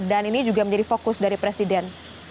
dan ini juga menjadi fokus dari presiden